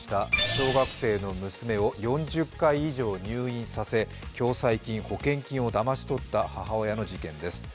小学生の娘を４０回以上入院させ共済金、保険金をだまし取った母親のニュースです。